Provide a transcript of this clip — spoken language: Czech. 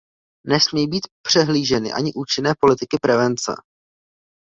Nesmí být přehlíženy ani účinné politiky prevence.